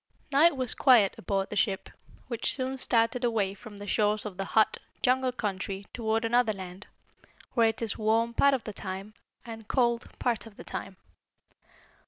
Now it was quiet aboard the ship, which soon started away from the shores of the hot, jungle country toward another land, where it is warm part of the time and cold part of the time.